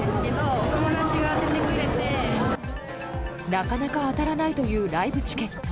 なかなか当たらないというライブチケット。